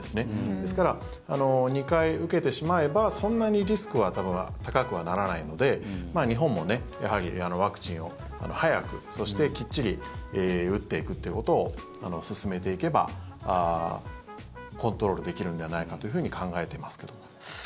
ですから、２回受けてしまえばそんなにリスクは多分、高くはならないので日本もやはりワクチンを早く、そしてきっちり打っていくということを進めていけばコントロールできるのではないかというふうに考えていますけど。